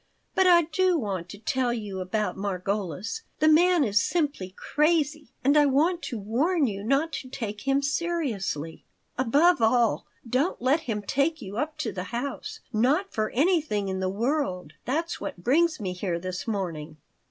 But I do want to tell you about Margolis. The man is simply crazy, and I want to warn you not to take him seriously. Above all, don't let him take you up to the house. Not for anything in the world. That's what brings me here this morning."